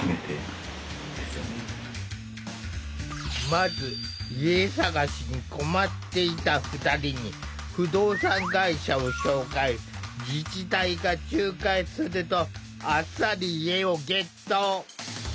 まず家探しに困っていた２人に自治体が仲介するとあっさり家をゲット。